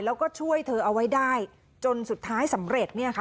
แล้วก็ช่วยเธอเอาไว้ได้จนสุดท้ายสำเร็จ